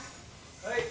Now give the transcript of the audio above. はい。